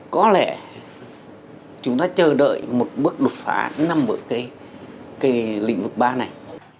có lẽ chúng ta chờ đợi một bước đột phá nằm ở cái lĩnh vực ba này